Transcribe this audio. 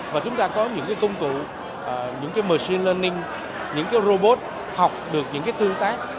và chúng ta có những cái công cụ những cái machine learning những cái robot học được những cái tương tác